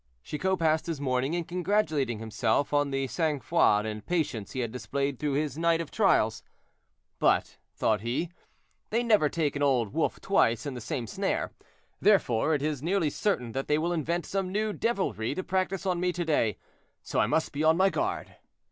Chicot passed his morning in congratulating himself on the sang froid and patience he had displayed through his night of trials. "But," thought he, "they never take an old wolf twice in the same snare; therefore, it is nearly certain that they will invent some new devilry to practice on me to day, so I must be on my guard."